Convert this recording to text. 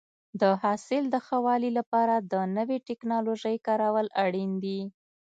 د حاصل د ښه والي لپاره د نوې ټکنالوژۍ کارول اړین دي.